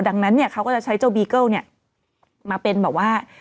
ดังนั้นเนี่ยเขาก็จะใช้เจ้าบีเกิ้ลมาเป็นแบบว่า